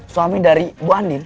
suami dari bu andin